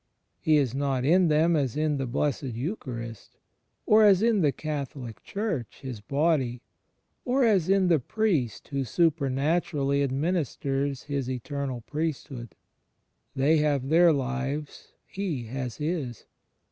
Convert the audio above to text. He is not ^Matt. ii : ii. CHBIST IN THE EXTERIOR 8l in them as in the Blessed Euchaxist, or as in the Catholic Church, His Body, or as in the priest who supematurally administers His Eternal Priesthood. They have their lives; He has His.